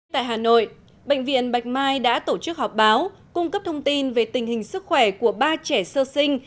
tại hà nội bệnh viện bạch mai đã tổ chức họp báo cung cấp thông tin về tình hình sức khỏe của ba trẻ sơ sinh